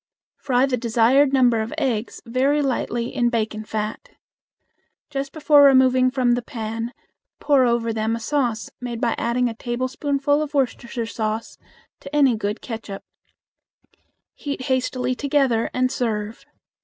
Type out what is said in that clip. Fry the desired number of eggs very lightly in bacon fat. Just before removing from the pan pour over them a sauce made by adding a tablespoonful of Worcestershire sauce to any good catsup. Heat hastily together and serve.